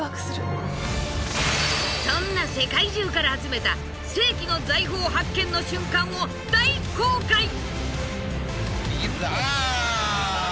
そんな世界中から集めた世紀の財宝発見の瞬間を大公開！